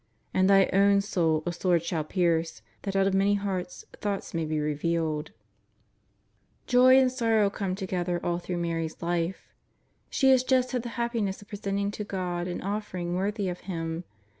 And thy own soul a sword shall pierce, that out of many hearts thoughts may be revealed." 76 JESUS OF NAZ.\EETH, Joy and sorrow come together all througli Mary's life. She has just had the happiness of presenting to God an offering worthy of Ilim.